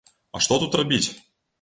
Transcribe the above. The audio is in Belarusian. А што тут рабіць?